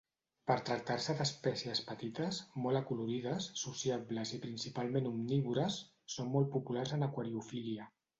Per tractar-se d'espècies petites, molt acolorides, sociables i principalment omnívores, són molt populars en aquariofília.